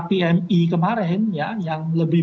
pmi kemarin ya yang lebih